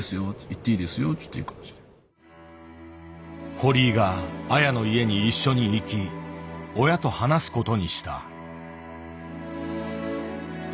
堀井がアヤの家に一緒に行き親と話すことにした。